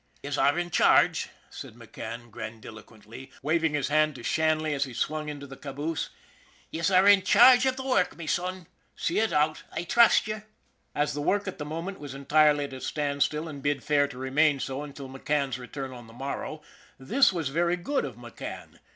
' Yez are in charge," said McCann grandiloquently, waving his hand to Shanley as he swung into the H2 ON THE IRON AT BIG CLOUD caboose. ' Yez are in charge av the work, me son. See to ut. I trust ye." As the work at the moment was entirely at a stand still and bid fair to remain so until McCann's return on the morrow, this was very good of McCann.